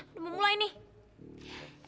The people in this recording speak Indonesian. udah mau mulai nih